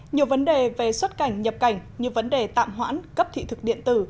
nhiều vấn đề về xuất cảnh nhập cảnh như vấn đề tạm hoãn cấp thị thực điện tử